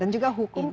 dan juga hukum ini